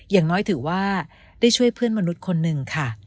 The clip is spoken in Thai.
อย่างน้อยถือว่าได้ช่วยเพื่อนมนุษย์คนหนึ่งค่ะ